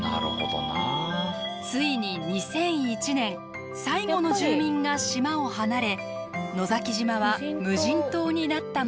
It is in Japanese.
ついに２００１年最後の住民が島を離れ野崎島は無人島になったのです。